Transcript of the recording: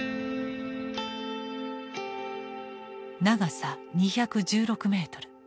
長さ２１６メートル